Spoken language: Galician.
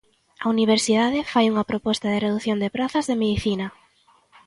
A Universidade fai unha proposta de redución de prazas de Medicina.